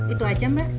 itu aja mbak